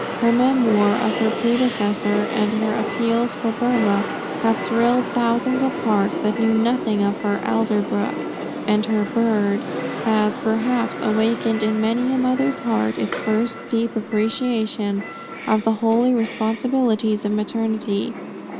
Her memoir of her predecessor, and her appeals for Burmah, have thrilled thousands of hearts that knew nothing of her "Alderbrook;" and her "Bird," has, perhaps, awakened in many a mother's heart its first deep appreciation of the holy responsibilities of maternity.